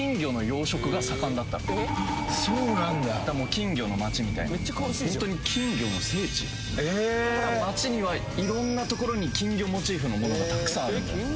金魚の街みたいなホントに金魚の聖地ええ街には色んな所に金魚モチーフのものがたくさんあるんだよ